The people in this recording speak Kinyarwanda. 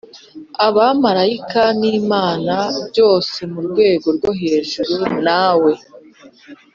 abamarayika n'imana, byose murwego rwo hejuru, nawe